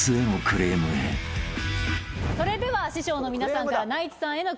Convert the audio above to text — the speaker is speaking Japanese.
それでは師匠の皆さんからナイツさんへのクレームです。